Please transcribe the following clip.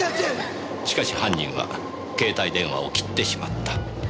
しかし犯人は携帯電話を切ってしまった。